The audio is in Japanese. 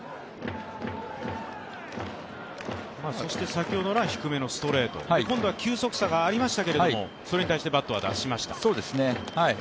先ほどのは低めのストレート、今度は球速差がありましたけど、それに対してバットは出した。